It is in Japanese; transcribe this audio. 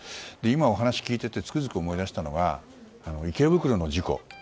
今、お話を聞いていてつくづく思い出したのは池袋の事故。